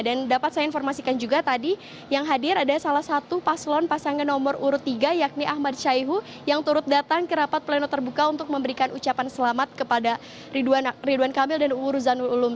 dan dapat saya informasikan juga tadi yang hadir ada salah satu paslon pasangan nomor urut tiga yakni ahmad syaihu yang turut datang ke rapat pleno terbuka untuk memberikan ucapan selamat kepada ridwan kamil dan uwur zanul ulum